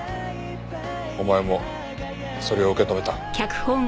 お前もそれを受け止めた。